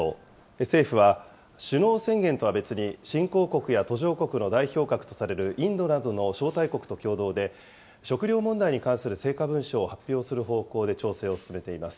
政府は首脳宣言とは別に、新興国や途上国の代表格とされるインドなどの招待国と共同で、食料問題に関する成果文書を発表する方向で調整を進めています。